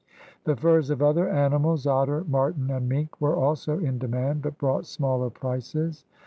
The furs of other animals, otter, marten, and mink, were also in demand but brought smaller prices.